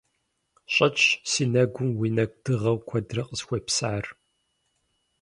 Щӏэтщ си нэгум уи нэкӏу дыгъэу куэдрэ къысхуепсар.